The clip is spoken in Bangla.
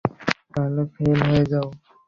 তাহলে ফেল হয়ে যাও।